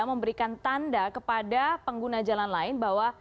memberikan tanda kepada pengguna jalan lain bahwa